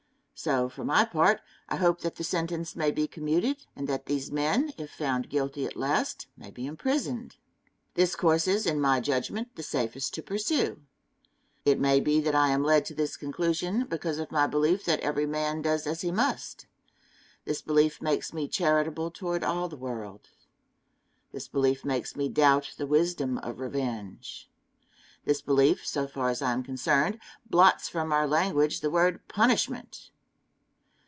So, for my part, I hope that the sentence may be commuted, and that these men, if found guilty at last, may be imprisoned. This course is, in my judgment, the safest to pursue. It may be that I am led to this conclusion, because of my belief that every man does as he must. This belief makes me charitable toward all the world. This belief makes me doubt the wisdom of revenge. This belief, so far as I am concerned, blots from our language the word "punishment."